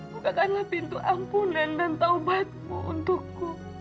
bukakanlah pintu ampunan dan taubatmu untukku